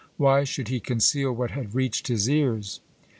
Why should he conceal what had reached his ears?